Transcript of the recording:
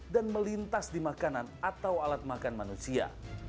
dan juga melintas di makanan atau alat makan manusia